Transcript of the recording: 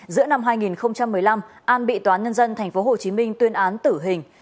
giữa năm hai nghìn một mươi năm an bị toán nhân dân tp hcm tuyên án tử hình